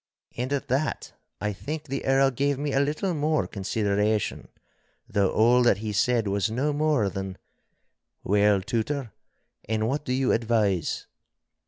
And at that I think the Earl gave me a little more consideration, though all that he said was no more than, 'Well, Tutor, and what do you advise?